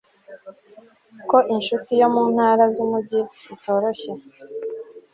ko inshuti yo mu ntara z'umujyi itoroshye